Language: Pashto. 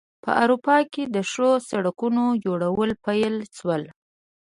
په اروپا کې د ښو سړکونو جوړول پیل شول.